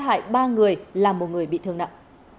hại ba người làm một người bị thương nặng